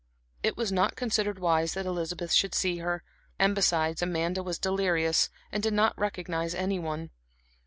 It was not considered wise that Elizabeth should see her; and besides, Amanda was delirious, and did not recognize any one.